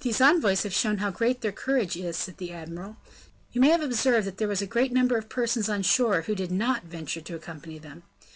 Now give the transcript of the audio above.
"These envoys have shown how great their courage is," said the admiral. "You may have observed that there was a great number of persons on shore who did not venture to accompany them.